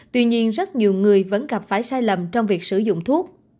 tuy nhiên rất nhiều người vẫn gặp phải sai lầm trong việc sử dụng thuốc